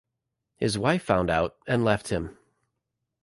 His wife found out and left him.